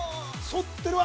◆反ってるわ。